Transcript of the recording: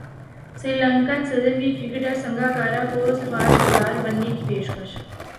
سری لنکن صدر کی کرکٹر سنگاکارا کو سفارتکار بننے کی پیشکش